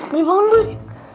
baik banget beri